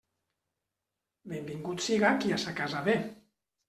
Benvingut siga qui a sa casa ve.